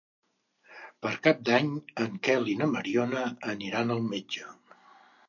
Per Cap d'Any en Quel i na Mariona aniran al metge.